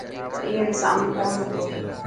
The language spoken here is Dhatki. اي ري سامون ڪون هتو.